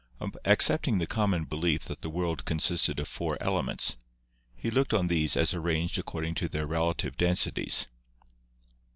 Accepting the common belief that the world consisted of four elements, he looked on these as arranged according to their relative densities.